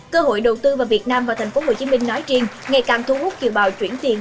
cơ hội đầu tư vào việt nam và tp hcm nói riêng ngày càng thu hút kiều bảo chuyển tiền